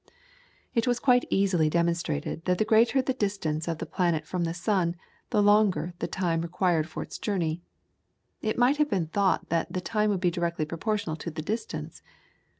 It was quite easily demonstrated that the greater the distance of the planet from the sun the longer was the time required for its journey. It might have been thought that the time would be directly proportional to the distance.